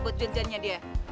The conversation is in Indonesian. buat jodohnya dia